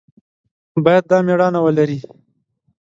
باید دا مېړانه ولري.